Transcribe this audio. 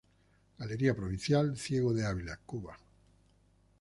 Galería provincial, Ciego de Ávila, Cuba.